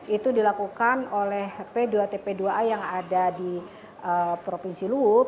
itu dilakukan oleh p dua tp dua a yang ada di provinsi luhut